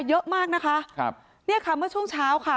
เยอะมากนะคะครับเนี่ยค่ะเมื่อช่วงเช้าค่ะ